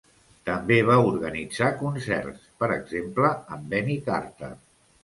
També va organitzar concerts, per exemple amb Benny Carter.